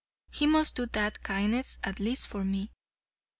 He must do that kindness at least for me.